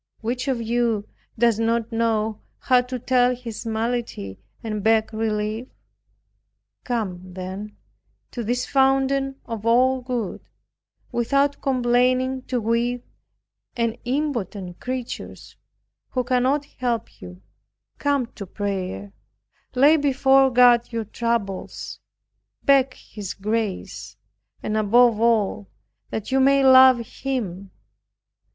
Which of you does not know how to tell his malady, and beg relief? Come, then, to this Fountain of all good, without complaining to weak and impotent creatures, who cannot help you; come to prayer; lay before God your troubles, beg His grace and above all, that you may love Him.